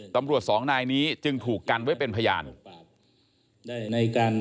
สองนายนี้จึงถูกกันไว้เป็นพยาน